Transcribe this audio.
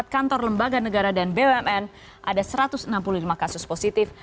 empat kantor lembaga negara dan bumn ada satu ratus enam puluh lima kasus positif